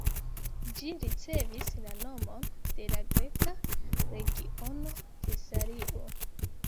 Ĝi ricevis la nomon de la greka regiono Tesalio.